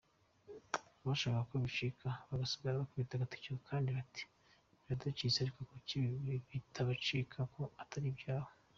Abashakaga ko bicika basigara bakubita agatoki kukandi, bati biraducitse, ariko kuki bitabacika, ko ataribyabo !